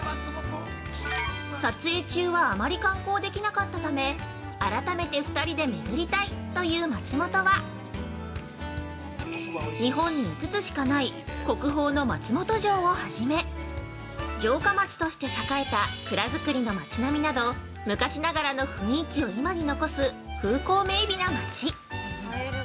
撮影中はあまり観光できなかったため、改めて２人で巡りたいという松本は、日本に５つしかない国宝の松本城を初め、城下町として栄えた蔵造りの町並みなど昔ながらの雰囲気を今に残す風光明媚な町。